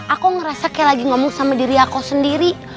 aku ngerasa kayak lagi ngomong sama diri aku sendiri